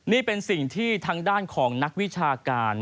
นี่เป็นสิ่งที่ทางด้านของนักวิชาการ